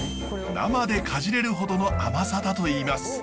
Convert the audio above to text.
生でかじれるほどの甘さだといいます。